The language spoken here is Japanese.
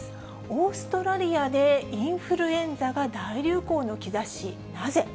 オーストラリアでインフルエンザが大流行の兆し、なぜ？